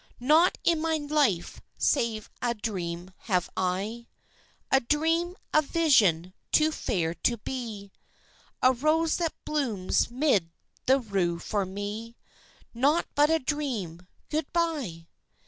Naught in my life save a dream have I, A dream a vision, too fair to be, A rose that blooms 'mid the rue for me Naught but a dream ... Good bye."